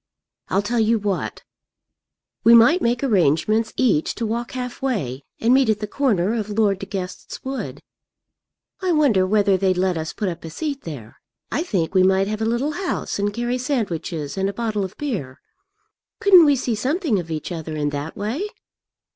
I'll tell you what; we might make arrangements each to walk half way, and meet at the corner of Lord De Guest's wood. I wonder whether they'd let us put up a seat there. I think we might have a little house and carry sandwiches and a bottle of beer. Couldn't we see something of each other in that way?"